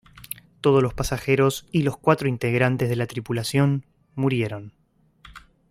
Todos los pasajeros y los cuatro integrantes de la tripulación murieron.